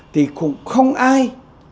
thì cũng không ai